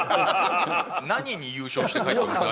何に優勝したんですか？